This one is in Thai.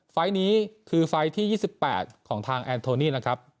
ไฟล์นี้คือไฟล์ที่๒๘ของทางแอนโทนี่นะครับ